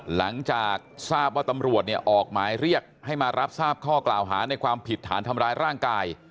หลังจากทราบว่าตำรวจเนี่ยออกหมายเรียกให้มารับทราบข้อกล่าวหาในความผิดฐานทำร้ายร่างกาย